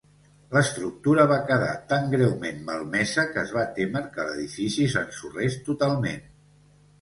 L'estructura va quedar tan greument malmesa que es va témer que l'edifici s'ensorrés totalment.